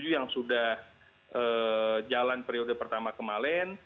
yang sudah jalan periode pertama kemarin